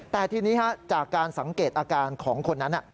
แต่ทีนี้จากการสังเกตอาการของคนนั้น